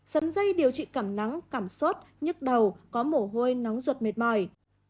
sắn dây điều trị cảm nắng cảm sốt nhức đầu có mổ hôi nóng ruột mệt mỏi